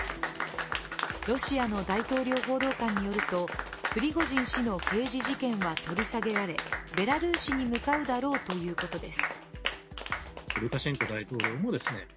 ロシアの大統領報道官によるとプリゴジン氏の刑事事件は取り下げられベラルーシに向かうだろうということです。